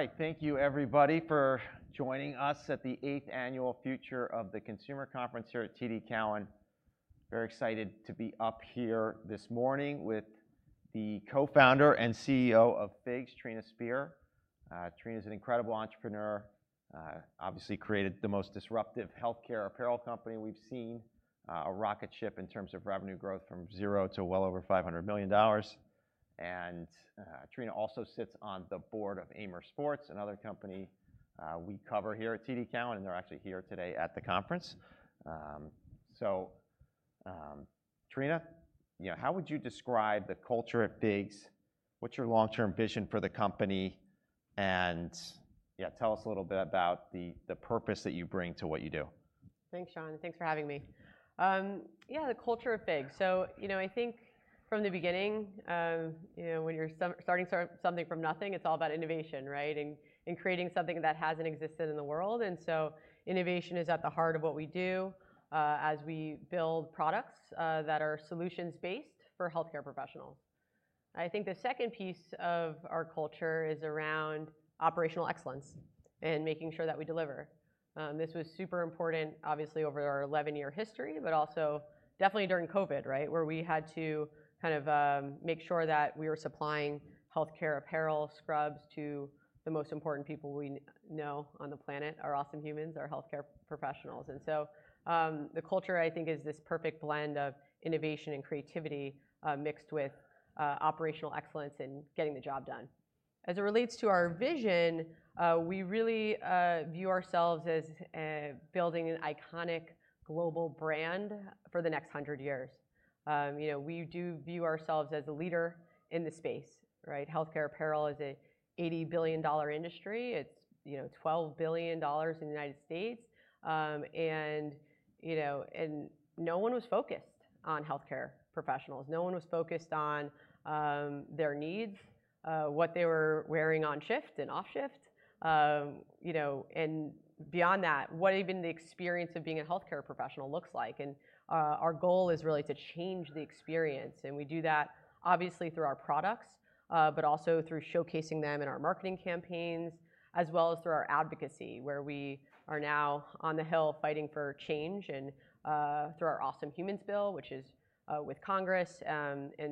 All right, thank you everybody for joining us at the Eighth Annual Future of the Consumer Conference here at TD Cowen. Very excited to be up here this morning with the Co-founder and CEO of FIGS, Trina Spear. Trina's an incredible entrepreneur, obviously created the most disruptive healthcare apparel company we've seen, a rocket ship in terms of revenue growth from zero to well over $500 million. And, Trina also sits on the board of Amer Sports, another company, we cover here at TD Cowen, and they're actually here today at the conference. Trina, you know, how would you describe the culture at FIGS? What's your long-term vision for the company? And, yeah, tell us a little bit about the purpose that you bring to what you do. Thanks, John, and thanks for having me. Yeah, the culture of FIGS. So, you know, I think from the beginning, you know, when you're starting something from nothing, it's all about innovation, right? And creating something that hasn't existed in the world. And so innovation is at the heart of what we do, as we build products that are solutions-based for healthcare professionals. I think the second piece of our culture is around operational excellence and making sure that we deliver. This was super important, obviously, over our 11-year history, but also definitely during COVID, right? Where we had to kind of make sure that we were supplying healthcare apparel, scrubs, to the most important people we know on the planet, our awesome humans, our healthcare professionals. And so, the culture, I think, is this perfect blend of innovation and creativity, mixed with, operational excellence and getting the job done. As it relates to our vision, we really, view ourselves as, building an iconic global brand for the next 100 years. You know, we do view ourselves as a leader in the space, right? Healthcare apparel is a $80 billion industry. It's $12 billion in the United States. And, you know, and no one was focused on healthcare professionals. No one was focused on, their needs, what they were wearing on shift and off shift. You know, and beyond that, what even the experience of being a healthcare professional looks like. Our goal is really to change the experience, and we do that obviously through our products, but also through showcasing them in our marketing campaigns, as well as through our advocacy, where we are now on the Hill fighting for change and, through our Awesome Humans Bill, which is, with Congress.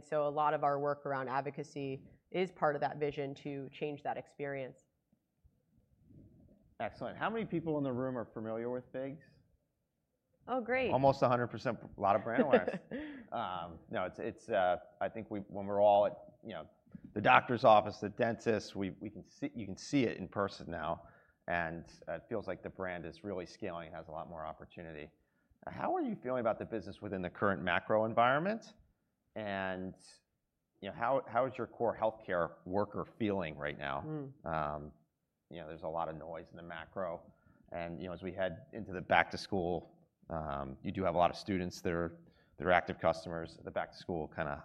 So a lot of our work around advocacy is part of that vision to change that experience. Excellent. How many people in the room are familiar with FIGS? Oh, great! Almost 100%. A lot of brand awareness. No, it's, it's... I think when we're all at, you know, the doctor's office, the dentist, we can see you can see it in person now, and it feels like the brand is really scaling. It has a lot more opportunity. How are you feeling about the business within the current macro environment? And, you know, how is your core healthcare worker feeling right now? Mm. You know, there's a lot of noise in the macro, and, you know, as we head into the back to school, you do have a lot of students that are active customers. The back to school kinda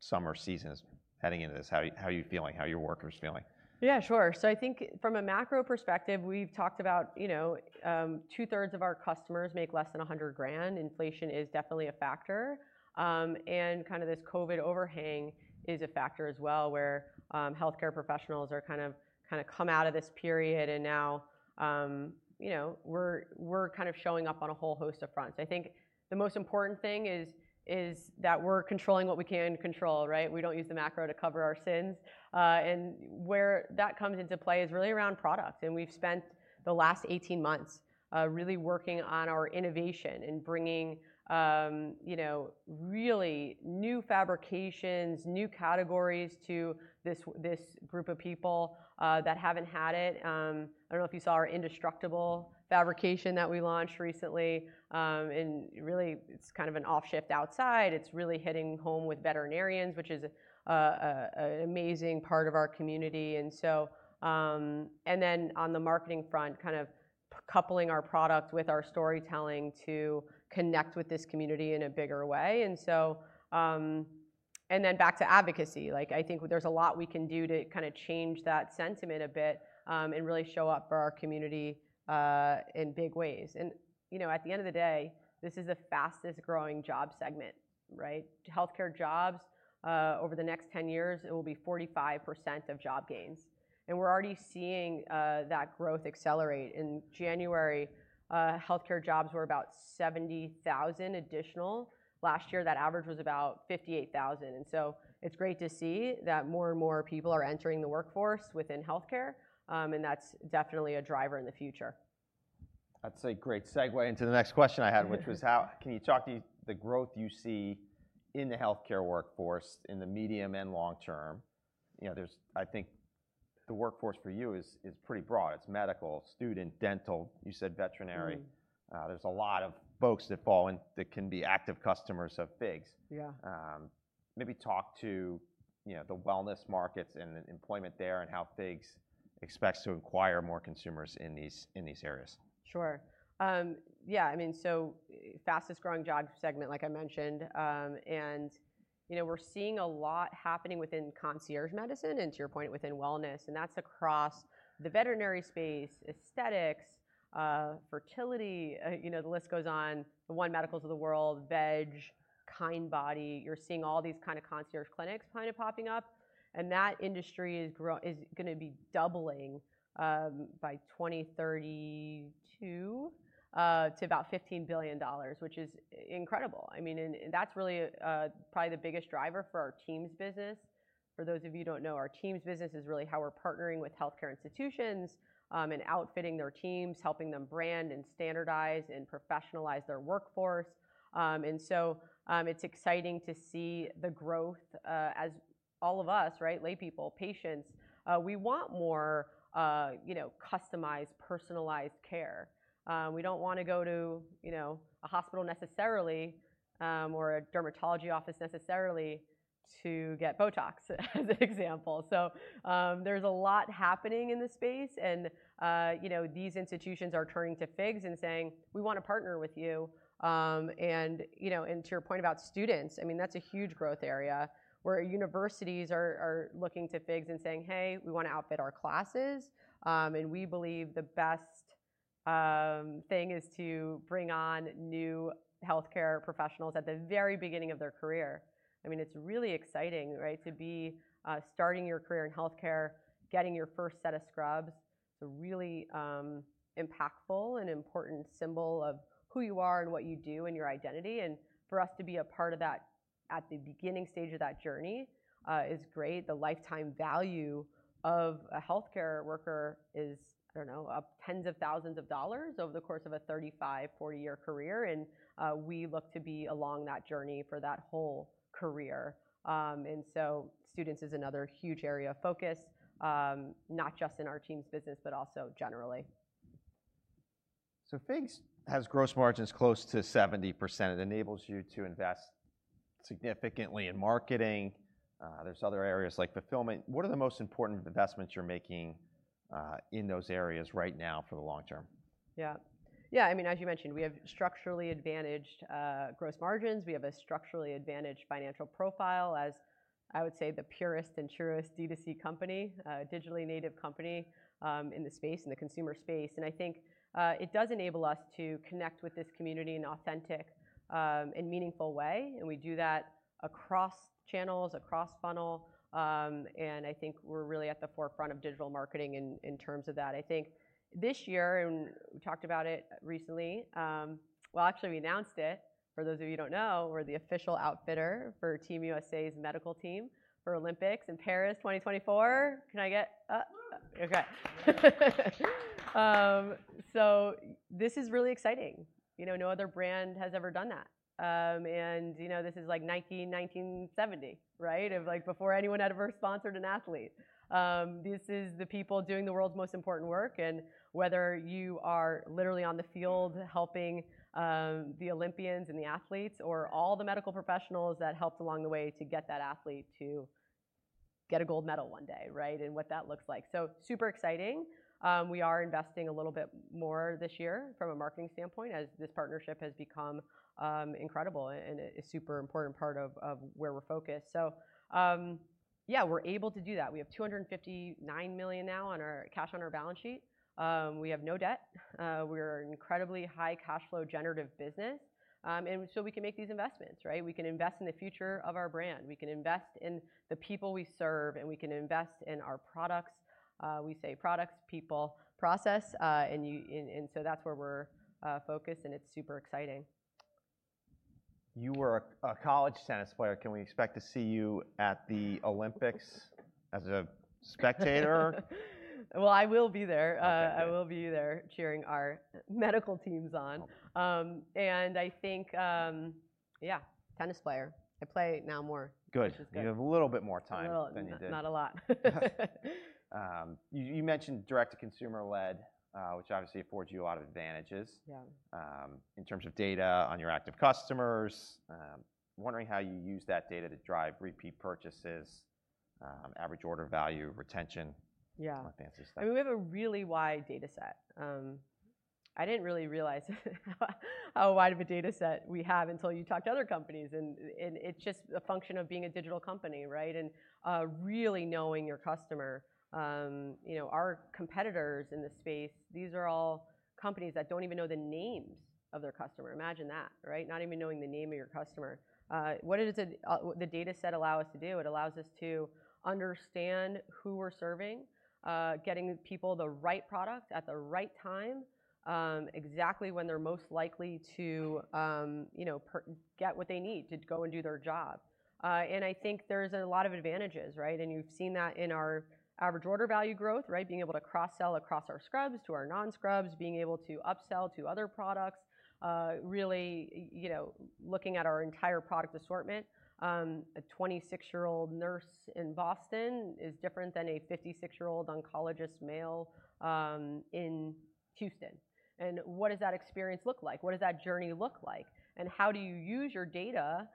summer season is heading into this. How are you feeling? How are your workers feeling? Yeah, sure. So I think from a macro perspective, we've talked about, you know, two-thirds of our customers make less than $100,000. Inflation is definitely a factor. And kind of this COVID overhang is a factor as well, where healthcare professionals are kind of come out of this period, and now, you know, we're kind of showing up on a whole host of fronts. I think the most important thing is that we're controlling what we can control, right? We don't use the macro to cover our sins. And where that comes into play is really around product, and we've spent the last 18 months really working on our innovation and bringing, you know, really new fabrications, new categories to this group of people that haven't had it. I don't know if you saw our Indestructible fabrication that we launched recently. Really, it's kind of an off-shift outside. It's really hitting home with veterinarians, which is an amazing part of our community. So, on the marketing front, kind of coupling our product with our storytelling to connect with this community in a bigger way. Then back to advocacy, like, I think there's a lot we can do to kinda change that sentiment a bit, and really show up for our community, in big ways. You know, at the end of the day, this is the fastest growing job segment, right? Healthcare jobs, over the next 10 years, it will be 45% of job gains, and we're already seeing that growth accelerate. In January, healthcare jobs were about 70,000 additional. Last year, that average was about 58,000. And so it's great to see that more and more people are entering the workforce within healthcare, and that's definitely a driver in the future. That's a great segue into the next question I had, which was how can you talk to the growth you see in the healthcare workforce in the medium and long term? You know, there's. I think the workforce for you is pretty broad. It's medical, student, dental, you said veterinary. Mm-hmm. There's a lot of folks that fall in, that can be active customers of FIGS. Yeah. Maybe talk to you know, the wellness markets and the employment there, and how FIGS expects to acquire more consumers in these, in these areas? Sure. Yeah, I mean, so fastest growing job segment, like I mentioned. And, you know, we're seeing a lot happening within concierge medicine, and to your point, within wellness, and that's across the veterinary space, aesthetics, fertility, you know, the list goes on. The One Medicals of the world, VEG, Kindbody, you're seeing all these kind of concierge clinics kind of popping up, and that industry is gonna be doubling by 2032 to about $15 billion, which is incredible. I mean, and that's really probably the biggest driver for our teams business. For those of you who don't know, our teams business is really how we're partnering with healthcare institutions and outfitting their teams, helping them brand and standardize and professionalize their workforce. And so, it's exciting to see the growth, as all of us, right, laypeople, patients, we want more, you know, customized, personalized care. We don't wanna go to, you know, a hospital necessarily, or a dermatology office necessarily to get Botox, as an example. So, there's a lot happening in this space, and, you know, these institutions are turning to FIGS and saying: We want to partner with you. And, you know, and to your point about students, I mean, that's a huge growth area, where universities are looking to FIGS and saying: Hey, we wanna outfit our classes. And we believe the best thing is to bring on new healthcare professionals at the very beginning of their career. I mean, it's really exciting, right, to be starting your career in healthcare, getting your first set of scrubs. It's a really impactful and important symbol of who you are and what you do and your identity, and for us to be a part of that at the beginning stage of that journey is great. The lifetime value of a healthcare worker is, I don't know, up $10,000s over the course of a 35-40-year career, and we look to be along that journey for that whole career. And so students is another huge area of focus, not just in our teams business, but also generally. So FIGS has gross margins close to 70%. It enables you to invest significantly in marketing. There's other areas like fulfillment. What are the most important investments you're making in those areas right now for the long term? Yeah. Yeah, I mean, as you mentioned, we have structurally advantaged gross margins. We have a structurally advantaged financial profile, as I would say, the purest and truest D2C company, digitally native company, in the space, in the consumer space. And I think it does enable us to connect with this community in authentic and meaningful way, and we do that across channels, across funnel. And I think we're really at the forefront of digital marketing in terms of that. I think this year, and we talked about it recently. Well, actually, we announced it. For those of you who don't know, we're the official outfitter for Team USA's medical team for Olympics in Paris 2024. Can I get a- Whoo! Okay. So this is really exciting. You know, no other brand has ever done that. And, you know, this is like 1970, right? Of like, before anyone had ever sponsored an athlete. This is the people doing the world's most important work, and whether you are literally on the field helping, the Olympians and the athletes, or all the medical professionals that helped along the way to get that athlete to get a gold medal one day, right, and what that looks like. So super exciting. We are investing a little bit more this year from a marketing standpoint, as this partnership has become, incredible and a, a super important part of, of where we're focused. So, yeah, we're able to do that. We have $259 million now on our... cash on our balance sheet. We have no debt. We're an incredibly high cash flow generative business. And so we can make these investments, right? We can invest in the future of our brand. We can invest in the people we serve, and we can invest in our products. We say products, people, process, and so that's where we're focused, and it's super exciting. You were a college tennis player. Can we expect to see you at the Olympics as a spectator? Well, I will be there. Okay, great. I will be there, cheering our medical teams on. Okay. I think, yeah, tennis player. I play now more, which is good. Good. You have a little bit more time than you did. Well, not a lot. Yes. You mentioned direct-to-consumer led, which obviously affords you a lot of advantages. Yeah... in terms of data on your active customers. Wondering how you use that data to drive repeat purchases, average order value, retention- Yeah ...all that fancy stuff. I mean, we have a really wide data set. I didn't really realize how wide of a data set we have until you talk to other companies, and it's just a function of being a digital company, right? Really knowing your customer. You know, our competitors in this space, these are all companies that don't even know the names of their customer. Imagine that, right? Not even knowing the name of your customer. What does the data set allow us to do? It allows us to understand who we're serving, getting people the right product at the right time, exactly when they're most likely to, you know, get what they need to go and do their job. And I think there's a lot of advantages, right? And you've seen that in our average order value growth, right? Being able to cross-sell across our scrubs to our non-scrubs, being able to upsell to other products. Really, you know, looking at our entire product assortment. A 26-year-old nurse in Boston is different than a 56-year-old oncologist, male, in Houston. And what does that experience look like? What does that journey look like, and how do you use your data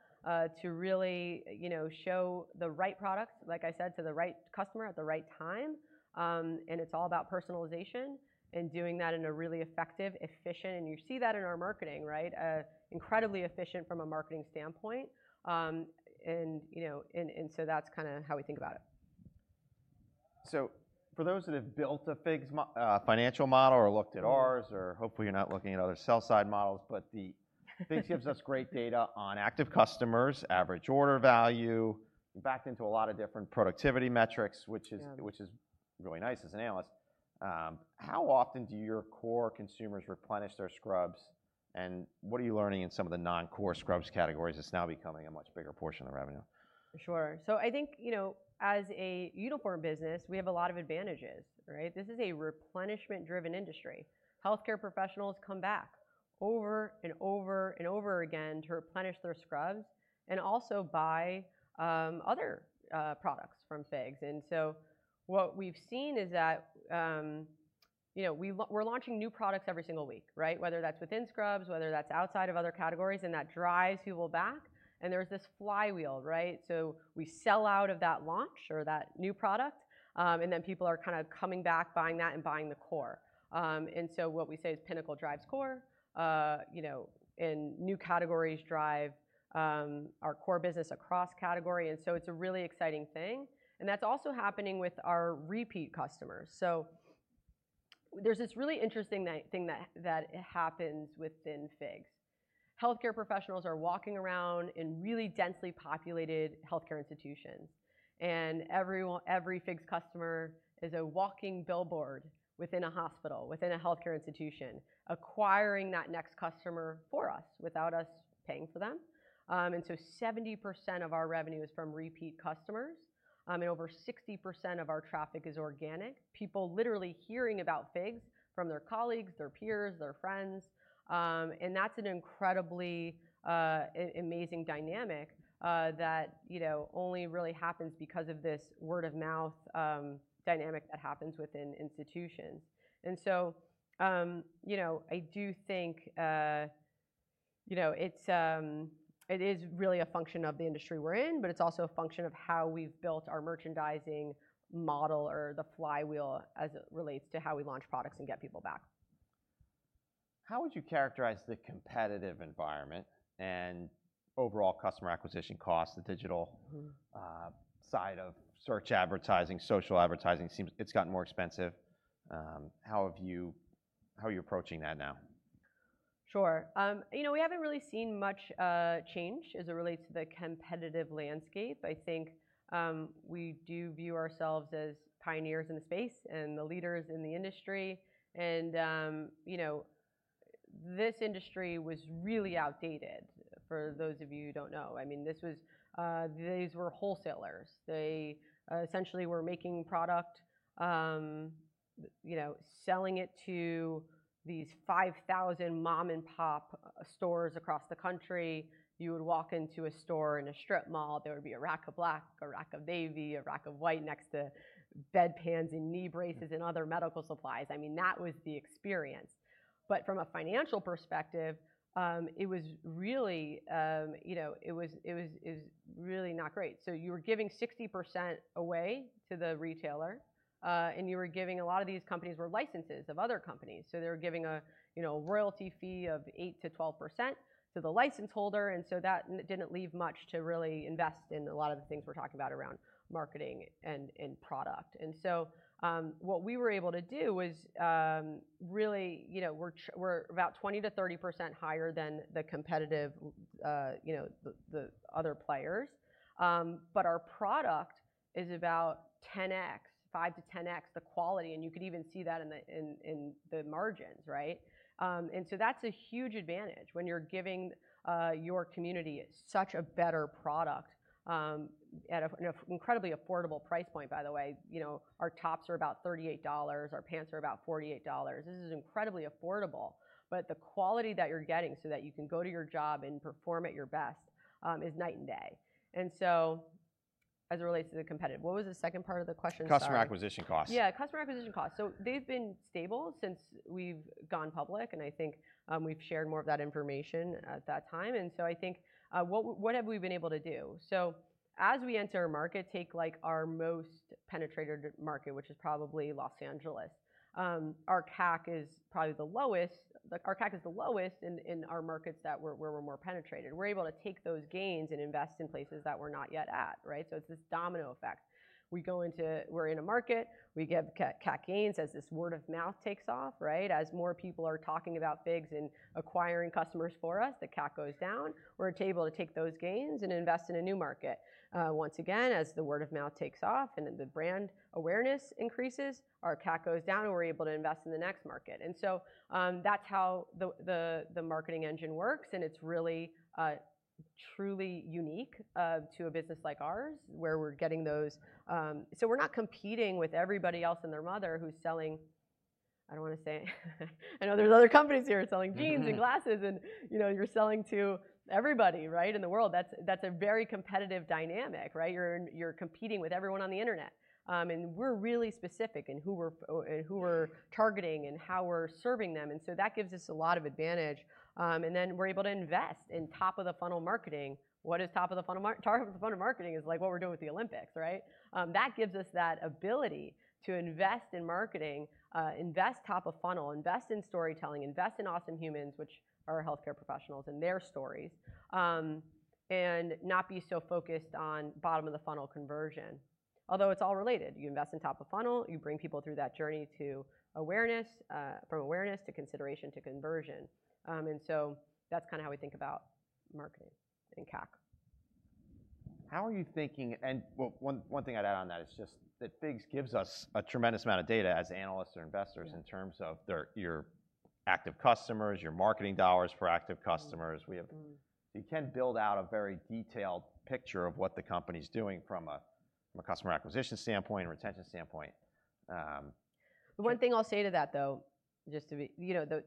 to really, you know, show the right products, like I said, to the right customer at the right time. And it's all about personalization and doing that in a really effective, efficient. And you see that in our marketing, right? Incredibly efficient from a marketing standpoint. And, you know, so that's kinda how we think about it. So for those that have built a FIGS financial model or looked at ours, or hopefully you're not looking at other sell-side models, but FIGS gives us great data on active customers, average order value, backed into a lot of different productivity metrics- Yeah... which is, which is really nice as an analyst. How often do your core consumers replenish their scrubs, and what are you learning in some of the non-core scrubs categories? It's now becoming a much bigger portion of the revenue. Sure. So I think, you know, as a uniform business, we have a lot of advantages, right? This is a replenishment-driven industry. Healthcare professionals come back over, and over, and over again to replenish their scrubs, and also buy other products from FIGS. And so what we've seen is that, you know, we're launching new products every single week, right? Whether that's within scrubs, whether that's outside of other categories, and that drives people back. And there's this flywheel, right? So we sell out of that launch or that new product, and then people are kinda coming back, buying that and buying the core. And so what we say is, pinnacle drives core, you know, and new categories drive our core business across category, and so it's a really exciting thing. And that's also happening with our repeat customers. So there's this really interesting thing that happens within FIGS. Healthcare professionals are walking around in really densely populated healthcare institutions, and every FIGS customer is a walking billboard within a hospital, within a healthcare institution, acquiring that next customer for us without us paying for them. And so 70% of our revenue is from repeat customers, and over 60% of our traffic is organic. People literally hearing about FIGS from their colleagues, their peers, their friends, and that's an incredibly amazing dynamic that, you know, only really happens because of this word-of-mouth dynamic that happens within institutions. You know, I do think, you know, it's, it is really a function of the industry we're in, but it's also a function of how we've built our merchandising model or the flywheel, as it relates to how we launch products and get people back. How would you characterize the competitive environment and overall customer acquisition costs, the digital- Mm-hmm... side of search advertising, social advertising? Seems it's gotten more expensive. How are you approaching that now? Sure. You know, we haven't really seen much change as it relates to the competitive landscape. I think we do view ourselves as pioneers in the space and the leaders in the industry. And you know, this industry was really outdated, for those of you who don't know. I mean, this was. These were wholesalers. They essentially were making product, you know, selling it to these 5,000 mom-and-pop stores across the country. You would walk into a store in a strip mall, there would be a rack of black, a rack of navy, a rack of white next to bedpans and knee braces and other medical supplies. I mean, that was the experience. But from a financial perspective, it was really, you know, it was, it was, it was really not great. So you were giving 60% away to the retailer, and you were giving... A lot of these companies were licensees of other companies, so they were giving a, you know, royalty fee of 8%-12% to the license holder, and so that didn't leave much to really invest in a lot of the things we're talking about around marketing and product. So what we were able to do was, really, you know, we're about 20%-30% higher than the competitive, you know, the other players. But our product is about 10x, 5x-10x the quality, and you could even see that in the margins, right? And so that's a huge advantage when you're giving your community such a better product at an incredibly affordable price point, by the way. You know, our tops are about $38, our pants are about $48. This is incredibly affordable. But the quality that you're getting so that you can go to your job and perform at your best is night and day. And so as it relates to the competitive... What was the second part of the question? Sorry. Customer acquisition costs. Yeah, customer acquisition costs. So they've been stable since we've gone public, and I think, we've shared more of that information at that time. And so I think, what have we been able to do? So as we enter a market, take, like, our most penetrated market, which is probably Los Angeles, our CAC is probably the lowest - like, our CAC is the lowest in our markets where we're more penetrated. We're able to take those gains and invest in places that we're not yet at, right? So it's this domino effect. We go into a market, we're in a market, we get CAC gains, as this word-of-mouth takes off, right? As more people are talking about FIGS and acquiring customers for us, the CAC goes down. We're able to take those gains and invest in a new market. Once again, as the word-of-mouth takes off and the brand awareness increases, our CAC goes down, and we're able to invest in the next market. So, that's how the marketing engine works, and it's really truly unique to a business like ours, where we're getting those. So we're not competing with everybody else and their mother who's selling. I don't wanna say, I know there's other companies here selling jeans and glasses, and you know, you're selling to everybody, right, in the world. That's a very competitive dynamic, right? You're competing with everyone on the internet. And we're really specific in who we're in who we're. Yeah... targeting and how we're serving them, and so that gives us a lot of advantage. Then we're able to invest in top-of-the-funnel marketing. What is top-of-the-funnel marketing? Like, what we're doing with the Olympics, right? That gives us that ability to invest in marketing, invest top-of-funnel, invest in storytelling, invest in awesome humans, which are healthcare professionals and their stories, and not be so focused on bottom-of-the-funnel conversion, although it's all related. You invest in top-of-funnel, you bring people through that journey to awareness, from awareness to consideration to conversion. So that's kinda how we think about marketing and CAC. How are you thinking... Well, one, one thing I'd add on that is just that FIGS gives us a tremendous amount of data as analysts or investors- Yeah... in terms of their, your active customers, your marketing dollars for active customers. Mm-hmm, mm-hmm. You can build out a very detailed picture of what the company's doing from a, from a customer acquisition standpoint and retention standpoint. The one thing I'll say to that, though, just to you know, the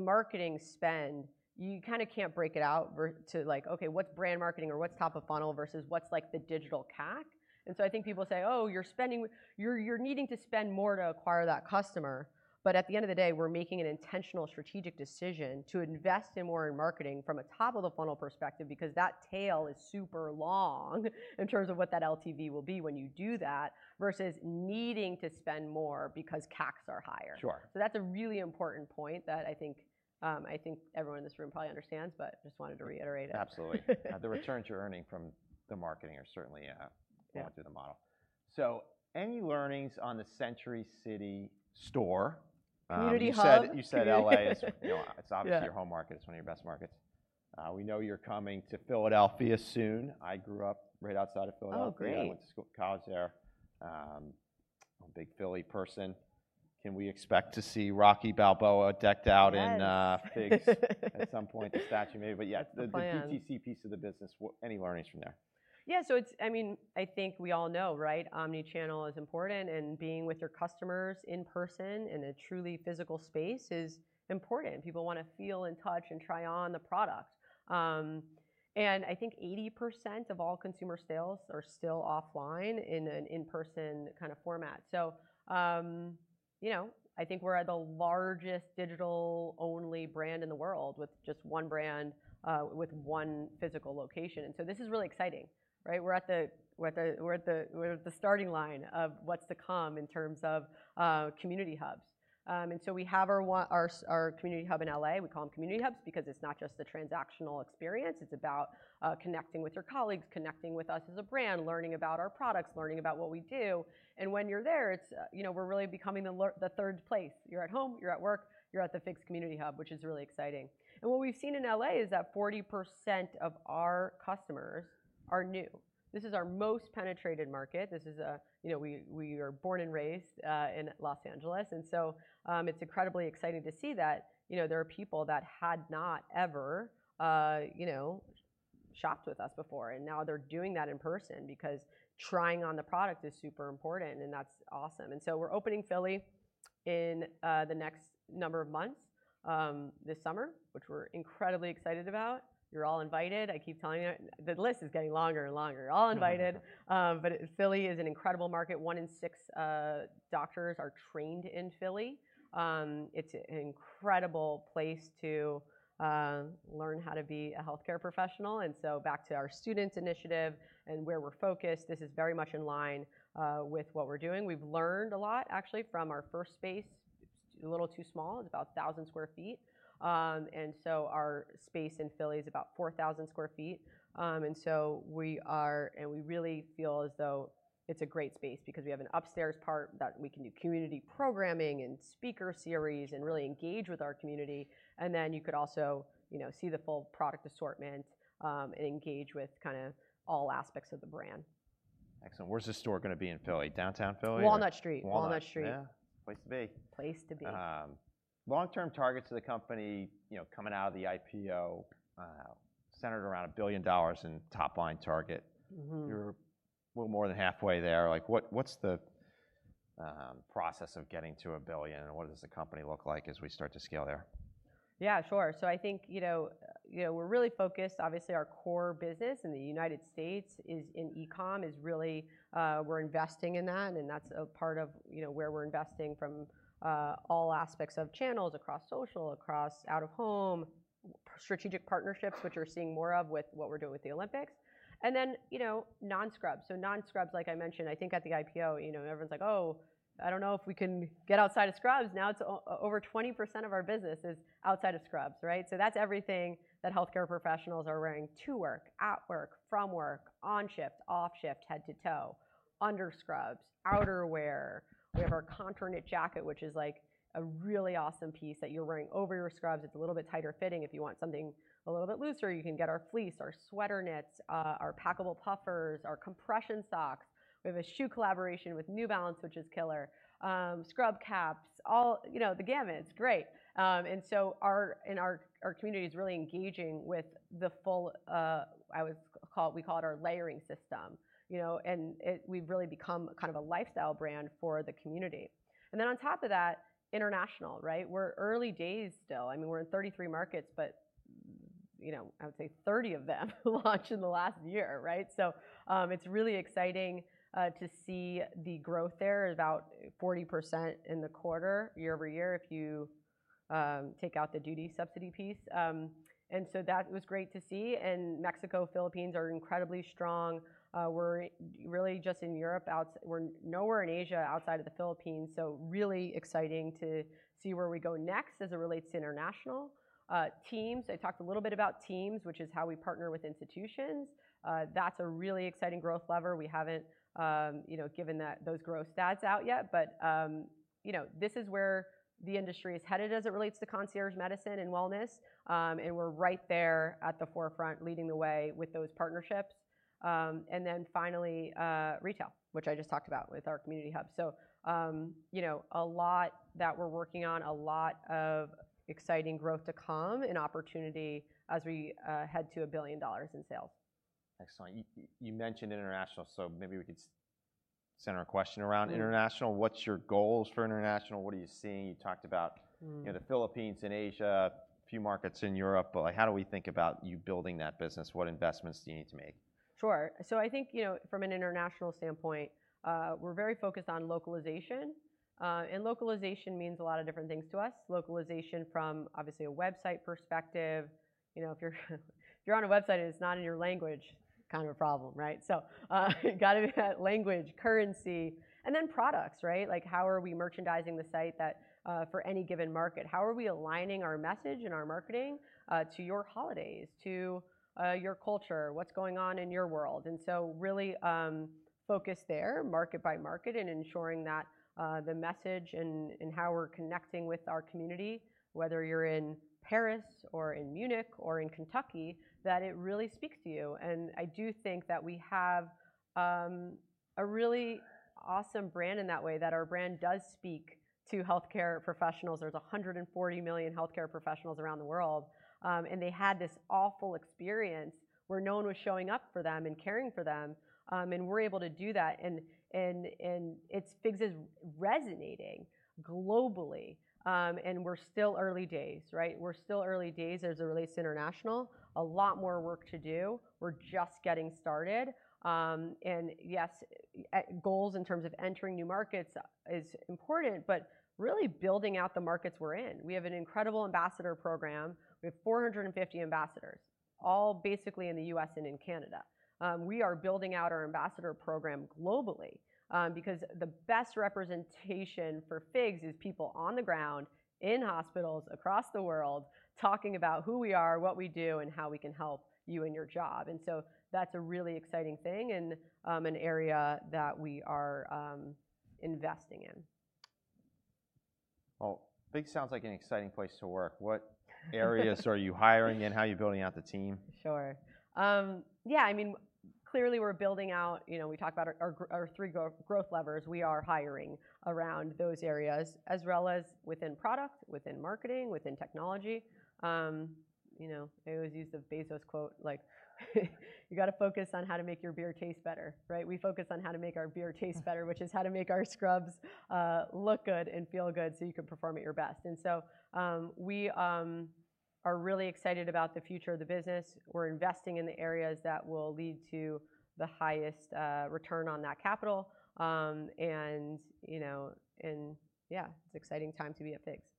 marketing spend, you kinda can't break it out vertically to, like, okay, what's brand marketing or what's top-of-the-funnel versus what's, like, the digital CAC? And so I think people say, "Oh, you're spending, you're needing to spend more to acquire that customer." But at the end of the day, we're making an intentional strategic decision to invest in more in marketing from a top-of-the-funnel perspective, because that tail is super long in terms of what that LTV will be when you do that, versus needing to spend more because CACs are higher. Sure. So that's a really important point that I think, I think everyone in this room probably understands, but just wanted to reiterate it. Absolutely. Yeah, the returns you're earning from the marketing are certainly, Yeah... going through the model. So any learnings on the Century City store? Community hub?... you said, you said LA. It's, you know- Yeah... it's obviously your home market. It's one of your best markets. We know you're coming to Philadelphia soon. I grew up right outside of Philadelphia. Oh, great. I went to school, college there. I'm a big Philly person. Can we expect to see Rocky Balboa decked out in? Yes... FIGS at some point, a statue maybe? But yeah, the- The plan... the DTC piece of the business, what, any learnings from there? Yeah, so it's... I mean, I think we all know, right? Omnichannel is important, and being with your customers in person, in a truly physical space is important. People wanna feel and touch and try on the product. And I think 80% of all consumer sales are still offline, in an in-person kind of format. So, you know, I think we're the largest digital-only brand in the world, with just one brand, with one physical location, and so this is really exciting, right? We're at the starting line of what's to come in terms of community hubs. And so we have our community hub in L.A. We call them community hubs because it's not just the transactional experience, it's about connecting with your colleagues, connecting with us as a brand, learning about our products, learning about what we do. And when you're there, it's, you know, we're really becoming the third place. You're at home, you're at work, you're at the FIGS community hub, which is really exciting. And what we've seen in L.A. is that 40% of our customers are new. This is our most penetrated market. This is a... You know, we, we are born and raised in Los Angeles, and so, it's incredibly exciting to see that, you know, there are people that had not ever, you know, shopped with us before. And now they're doing that in person, because trying on the product is super important, and that's awesome. We're opening Philly in the next number of months this summer, which we're incredibly excited about. You're all invited. I keep telling the list is getting longer and longer. You're all invited. But Philly is an incredible market. One in six doctors are trained in Philly. It's an incredible place to learn how to be a healthcare professional. And so back to our students initiative and where we're focused, this is very much in line with what we're doing. We've learned a lot, actually, from our first space. It's a little too small, it's about 1,000 sq ft. And so our space in Philly is about 4,000 sq ft. And so we really feel as though it's a great space, because we have an upstairs part that we can do community programming and speaker series, and really engage with our community. And then you could also, you know, see the full product assortment, and engage with kinda all aspects of the brand. Excellent. Where's the store gonna be in Philly? Downtown Philly or- Walnut Street. Walnut. Walnut Street. Yeah, place to be. Place to be. Long-term targets of the company, you know, coming out of the IPO, centered around $1 billion in top-line target. Mm-hmm. You're a little more than halfway there. Like, what's the process of getting to a billion, and what does the company look like as we start to scale there? Yeah, sure. So I think, you know, you know, we're really focused... Obviously, our core business in the United States is in e-com, is really, we're investing in that, and that's a part of, you know, where we're investing from, all aspects of channels, across social, across out-of-home, strategic partnerships, which we're seeing more of with what we're doing with the Olympics. And then, you know, non-scrubs. So non-scrubs, like I mentioned, I think at the IPO, you know, everyone's like: "Oh, I don't know if we can get outside of scrubs." Now, it's over 20% of our business is outside of scrubs, right? So that's everything that healthcare professionals are wearing to work, at work, from work, on shift, off shift, head to toe, under scrubs, outer wear. We have our Contour Knit jacket, which is, like, a really awesome piece that you're wearing over your scrubs. It's a little bit tighter fitting. If you want something a little bit looser, you can get our fleece, our Sweater Knits, our Packable Puffers, our Compression Socks. We have a shoe collaboration with New Balance, which is killer. Scrub caps, all, you know, the gamut. It's great. And so our community is really engaging with the full, we call it our layering system, you know. We've really become kind of a lifestyle brand for the community. And then on top of that, international, right? We're early days still. I mean, we're in 33 markets, but you know, I would say 30 of them launched in the last year, right? So, it's really exciting to see the growth there, about 40% in the quarter, year-over-year, if you take out the duty subsidy piece. And so that was great to see, and Mexico, Philippines are incredibly strong. We're really just in Europe; we're nowhere in Asia outside of the Philippines, so really exciting to see where we go next as it relates to international. Teams, I talked a little bit about teams, which is how we partner with institutions. That's a really exciting growth lever. We haven't you know, given that, those growth stats out yet, but you know, this is where the industry is headed as it relates to concierge medicine and wellness. And we're right there at the forefront, leading the way with those partnerships. Then finally, retail, which I just talked about with our community hub. You know, a lot that we're working on, a lot of exciting growth to come, and opportunity as we head to $1 billion in sales. Excellent. You mentioned international, so maybe we could center a question around international. Mm. What's your goals for international? What are you seeing? You talked about- Mm... you know, the Philippines and Asia, a few markets in Europe, but, like, how do we think about you building that business? What investments do you need to make? Sure. So I think, you know, from an international standpoint, we're very focused on localization. And localization means a lot of different things to us. Localization from, obviously, a website perspective. You know, if you're, if you're on a website and it's not in your language, kind of a problem, right? So, gotta be that language, currency, and then products, right? Like, how are we merchandising the site that, for any given market? How are we aligning our message and our marketing, to your holidays, to, your culture, what's going on in your world? And so really, focused there, market by market, in ensuring that, the message and, and how we're connecting with our community, whether you're in Paris or in Munich or in Kentucky, that it really speaks to you. I do think that we have a really awesome brand in that way, that our brand does speak to healthcare professionals. There's 140 million healthcare professionals around the world, and they had this awful experience where no one was showing up for them and caring for them. And we're able to do that, and, and, and it's FIGS is resonating globally. And we're still early days, right? We're still early days as it relates to international. A lot more work to do. We're just getting started. And yes, goals in terms of entering new markets is important, but really building out the markets we're in. We have an incredible ambassador program. We have 450 ambassadors, all basically in the U.S. and in Canada. We are building out our ambassador program globally, because the best representation for FIGS is people on the ground, in hospitals across the world, talking about who we are, what we do, and how we can help you and your job. So that's a really exciting thing and an area that we are investing in. Well, FIGS sounds like an exciting place to work. What areas are you hiring in? How are you building out the team? Sure. Yeah, I mean, clearly we're building out... You know, we talked about our three growth levers. We are hiring around those areas, as well as within product, within marketing, within technology. You know, I always use the Bezos quote, like, "You gotta focus on how to make your beer taste better," right? We focus on how to make our beer taste better, which is how to make our scrubs look good and feel good, so you can perform at your best. And so, we are really excited about the future of the business. We're investing in the areas that will lead to the highest return on that capital. And, you know, yeah, it's exciting time to be at FIGS.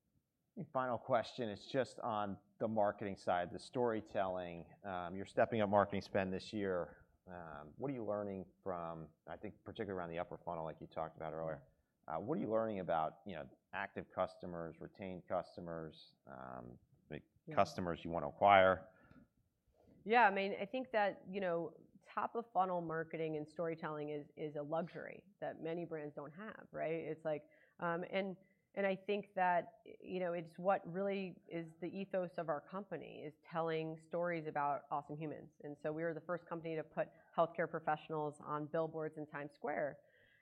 Final question is just on the marketing side, the storytelling. You're stepping up marketing spend this year. What are you learning from, I think, particularly around the upper funnel, like you talked about earlier, what are you learning about, you know, active customers, retained customers, like- Yeah... customers you want to acquire? Yeah, I mean, I think that, you know, top-of-the-funnel marketing and storytelling is, is a luxury that many brands don't have, right? It's like... And I think that, you know, it's what really is the ethos of our company, is telling stories about awesome humans. And so we were the first company to put healthcare professionals on billboards in Times Square,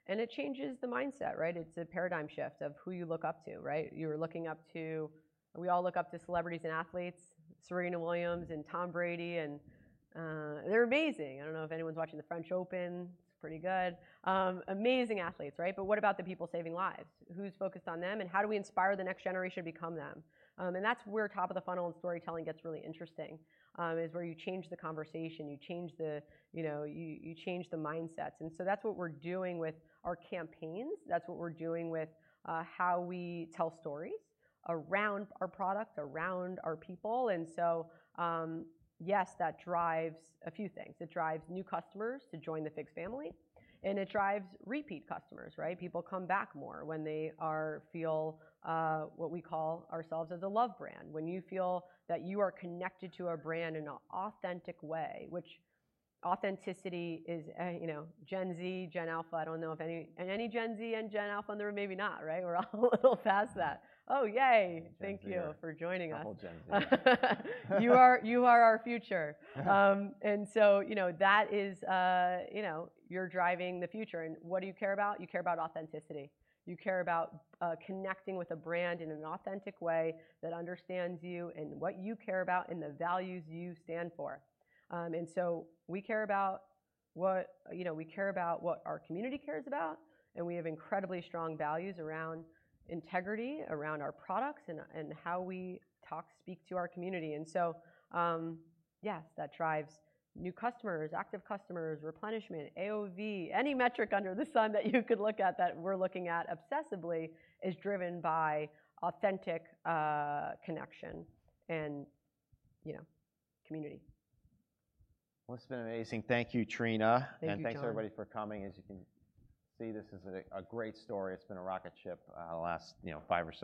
and it changes the mindset, right? It's a paradigm shift of who you look up to, right? You're looking up to- we all look up to celebrities and athletes, Serena Williams and Tom Brady, and, they're amazing. I don't know if anyone's watching the French Open. It's pretty good. Amazing athletes, right? But what about the people saving lives? Who's focused on them, and how do we inspire the next generation to become them? And that's where top of the funnel and storytelling gets really interesting, is where you change the conversation, you change the, you know, you change the mindsets. And so that's what we're doing with our campaigns. That's what we're doing with how we tell stories around our product, around our people. And so, yes, that drives a few things. It drives new customers to join the FIGS family, and it drives repeat customers, right? People come back more when they feel what we call ourselves as a love brand, when you feel that you are connected to our brand in an authentic way, which authenticity is, you know, Gen Z, Gen Alpha, I don't know if any... Any Gen Z and Gen Alpha in the room? Maybe not, right? We're all a little past that. Oh, yay! Gen Z-er. Thank you for joining us. A whole Gen Z-er. You are, you are our future. Yeah. And so, you know, that is, you know, you're driving the future. And what do you care about? You care about authenticity. You care about, connecting with a brand in an authentic way that understands you and what you care about, and the values you stand for. And so we care about what, you know, we care about what our community cares about, and we have incredibly strong values around integrity, around our products, and, and how we talk, speak to our community. And so, yes, that drives new customers, active customers, replenishment, AOV. Any metric under the sun that you could look at, that we're looking at obsessively, is driven by authentic, connection and, you know, community. Well, it's been amazing. Thank you, Trina. Thank you, John. Thanks, everybody, for coming. As you can see, this is a great story. It's been a rocket ship, the last, you know, five or six-